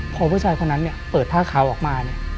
พอว่าเพื่อเจ้าพ่อนั้นเปิดท่าขาวออกมา